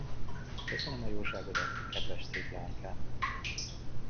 Köszönöm a jóságodat, kedves szép leánykám!